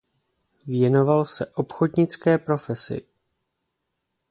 Věnoval se obchodnické profesi.